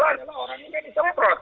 orang ini yang disemprot